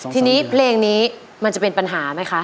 ทีนี้เพลงนี้มันจะเป็นปัญหาไหมคะ